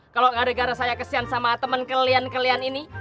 kalau gara gara saya kesian sama teman kalian kalian ini